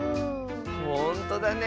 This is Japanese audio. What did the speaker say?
ほんとだね。